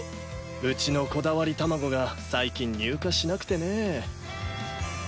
うちのこだわり玉子が最近入荷しなくてねぇ。